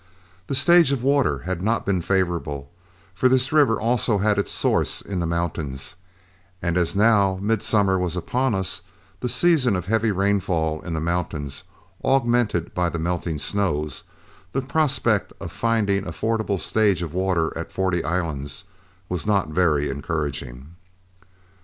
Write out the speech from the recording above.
The stage of water had not been favorable, for this river also had its source in the mountains, and as now midsummer was upon us, the season of heavy rainfall in the mountains, augmented by the melting snows, the prospect of finding a fordable stage of water at Forty Islands was not very encouraging.